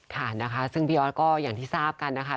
ค่ะนะคะซึ่งพี่ออสก็อย่างที่ทราบกันนะคะ